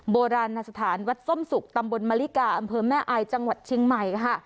โบราณสถานวัดส้มสุกตำบลมะลิกาอำเภอแม่อายจังหวัดเชียงใหม่ค่ะ